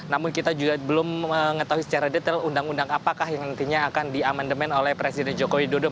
namun kita juga belum mengetahui secara detail undang undang apakah yang nantinya akan diamandemen oleh presiden joko widodo